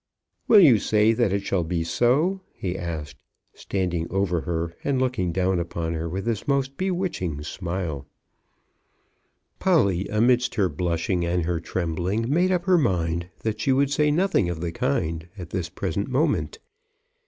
"Will you say that it shall be so?" he asked, standing over her, and looking down upon her with his most bewitching smile. Polly amidst her blushing and her trembling made up her mind that she would say nothing of the kind at this present moment.